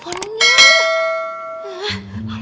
orang anak jendelah ya